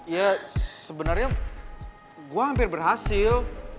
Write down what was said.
ya sebenarnya gue hampir berhasil